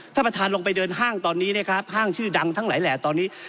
ท่านประธานลงไปเดินห้างตอนนี้นะครับห้างชื่อดังทั้งหลายแหล่ตอนนี้